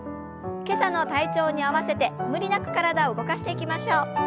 今朝の体調に合わせて無理なく体を動かしていきましょう。